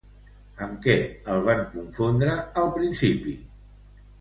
Amb què el van confondre al principi?